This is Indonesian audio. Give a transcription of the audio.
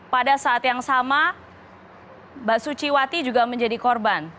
pada saat yang sama mbak suciwati juga menjadi korban